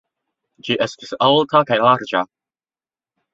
Ĝi estis alta kaj larĝa.